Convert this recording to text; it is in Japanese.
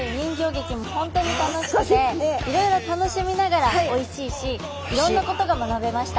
いろいろ楽しみながらおいしいしいろんなことが学べました。